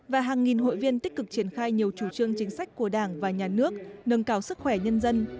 và hàng nghìn hội viên tích cực triển khai nhiều chủ trương chính sách của đảng và nhà nước nâng cao sức khỏe nhân dân